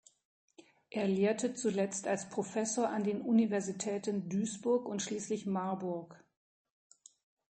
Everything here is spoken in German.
Er lehrte zuletzt als Professor an den Universitäten Duisburg und schließlich Marburg.